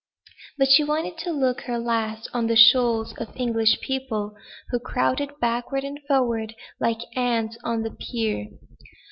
But she wanted to look her last on the shoals of English people, who crowded backward and forward, like ants, on the pier.